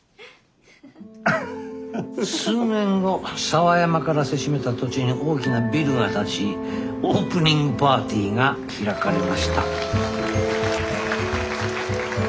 数年後沢山からせしめた土地に大きなビルが建ちオープニングパーティーが開かれました。